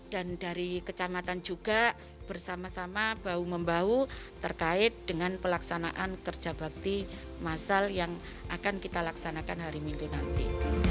dan dari kecamatan juga bersama sama bau membau terkait dengan pelaksanaan kerja bakti masal yang akan kita laksanakan hari minggu nanti